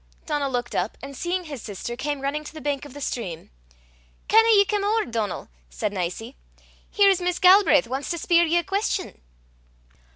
Donal looked up, and seeing his sister, came running to the bank of the stream. "Canna ye come ower, Donal?" said Nicie. "Here's Miss Galbraith wants to speir ye a quest'on."